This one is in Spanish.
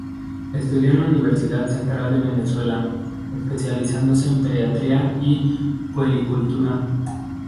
Estudió en la Universidad Central de Venezuela, especializándose en pediatría y puericultura.